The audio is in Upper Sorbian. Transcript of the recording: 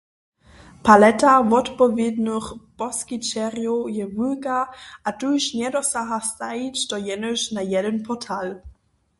Paleta wotpowědnych poskićerjow je wulka a tuž njedosaha, stajić to jenož na jedyn portal.